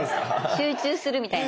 集中するみたいな？